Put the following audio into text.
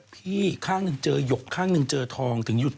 พี่ข้างนึงเจอหยกข้างนึงเจอทองถึงหยุดกลุ่ม